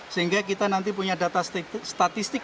sehingga kita nanti punya data statistik